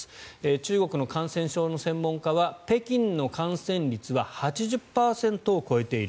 中国の感染症の専門家は北京の感染率は８０％を超えている。